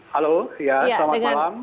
halo selamat malam